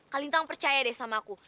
kak lintang percaya deh sama aku